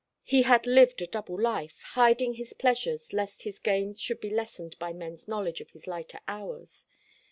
He had lived a double life, hiding his pleasures, lest his gains should be lessened by men's knowledge of his lighter hours.